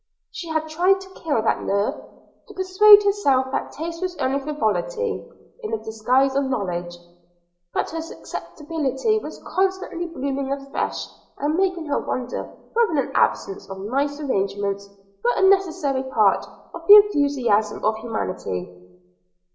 She had tried to kill that nerve, to persuade herself that taste was only frivolity in the disguise of knowledge; but her susceptibility was constantly blooming afresh and making her wonder whether an absence of nice arrangements were a necessary part of the enthusiasm of humanity.